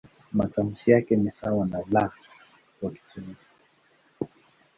Matamshi yake ni sawa na "L" kwa Kiswahili.